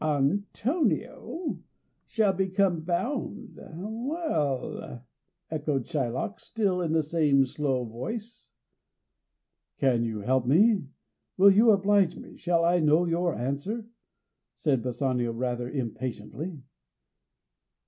"Antonio shall become bound; well?" echoed Shylock, still in the same slow voice. "Can you help me? Will you oblige me? Shall I know your answer?" said Bassanio rather impatiently.